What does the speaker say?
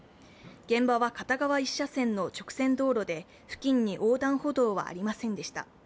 現場は片側１車線の直線道路で付近に横断歩道はありませんでした。